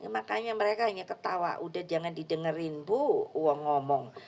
makanya mereka hanya ketawa udah jangan didengerin bu uang ngomong